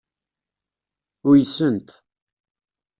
Uysent.